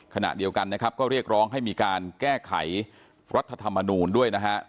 ขณะเดียวกันนะครับก็เรียกร้องให้มีการแก้ไขรัฐธรรมนูลด้วยนะฮะ